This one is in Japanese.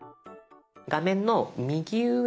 画面の右上